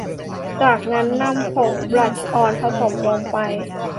จากนั้นนำผงบลัชออนผสมลงไป